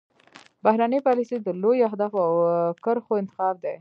بهرنۍ پالیسي د لویو اهدافو او کرښو انتخاب دی